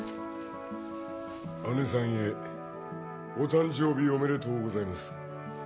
「姐さんへお誕生日おめでとうございます。